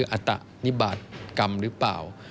อัตนิบาตกรรมหรือเปล่า